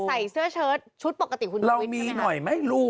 ใส่เสื้อเชิ้ตชุดปกติคุณชูวิทย์ใช่ไหมคะเรามีหน่อยไม่รู้